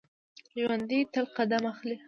ژوندي تل قدم اخلي